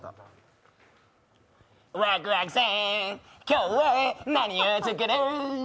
ワクワクさん、今日は何を作る？